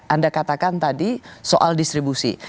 anda katakan tadi soal distribusi